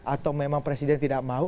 atau memang presiden tidak mau